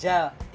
iya bang rijal